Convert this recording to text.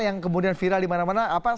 yang kemudian viral dimana mana apa